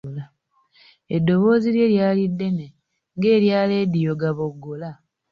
Eddoboozi lye lyali ddene ng’erya leediyo gaboggola.